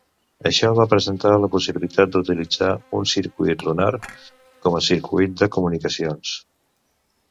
Això va presentar la possibilitat d'utilitzar un circuit lunar com a circuit de comunicacions.